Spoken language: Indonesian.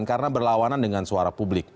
karena berlawanan dengan suara publik